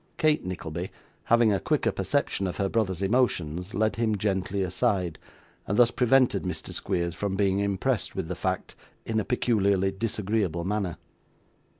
Kate Nickleby, having a quicker perception of her brother's emotions, led him gently aside, and thus prevented Mr. Squeers from being impressed with the fact in a peculiarly disagreeable manner.